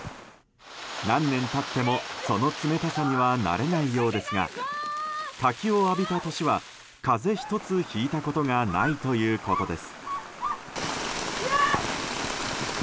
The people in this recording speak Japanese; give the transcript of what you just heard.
何年経ってもその冷たさには慣れないようですが滝を浴びた年は風邪一つ、ひいたことがないということです。